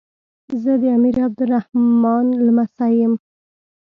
زه د امیر عبدالرحمان لمسی یم.